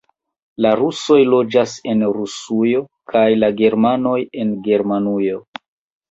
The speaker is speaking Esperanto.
La rusoj loĝas en Rusujo kaj la germanoj en Germanujo.